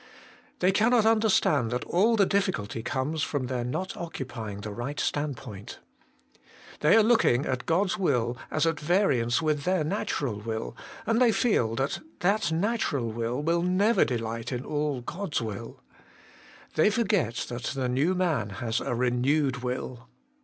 They cannot understand that all the difficulty comes from their not occupying the right standpoint. They are looking at God's will as at variance with their natural will, and they feel that that natural will will never delight in all God's will. They forget that the new man has a renewed will.